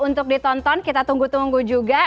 untuk ditonton kita tunggu tunggu juga